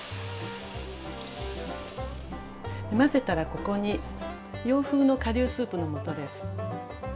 混ぜたらここに洋風の顆粒スープの素です。